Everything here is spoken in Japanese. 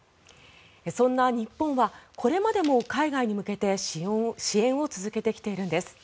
そんな日本はこれまでも海外に向けて支援を続けてきているんです。